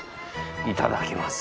いただきます。